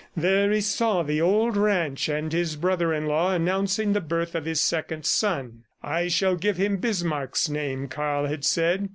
There he saw the old ranch, and his brother in law announcing the birth of his second son. "I shall give him Bismarck's name," Karl had said.